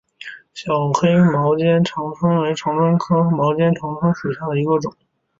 小黑毛肩长蝽为长蝽科毛肩长蝽属下的一个种。